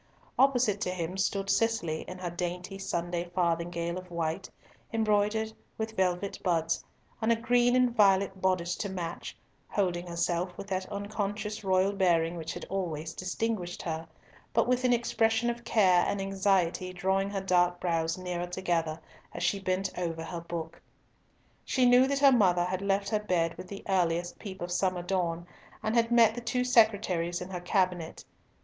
Opposite to him stood Cicely, in her dainty Sunday farthingale of white, embroidered with violet buds, and a green and violet boddice to match, holding herself with that unconscious royal bearing which had always distinguished her, but with an expression of care and anxiety drawing her dark brows nearer together as she bent over her book. She knew that her mother had left her bed with the earliest peep of summer dawn, and had met the two secretaries in her cabinet.